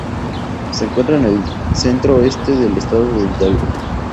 Se encuentra al centro Este del estado de Hidalgo.